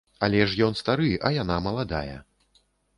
Але ж ён стары, а яна маладая.